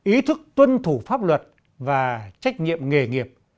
ý thức tuân thủ pháp luật và trách nhiệm nghề nghiệp